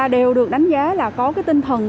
đều được đánh giá là có tinh thần